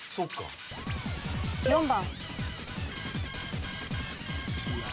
４番。